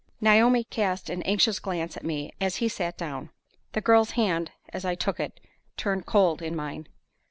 Naomi cast an anxious glance at me as he sat down. The girl's hand, as I took it, turned cold in mine.